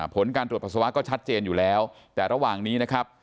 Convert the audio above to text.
ผลการตรวจปัสสาวะก็ชัดเจนอยู่แล้วแต่ระหว่างนี้นะครับ